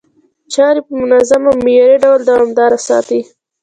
چاري په منظم او معياري ډول دوامداره ساتي،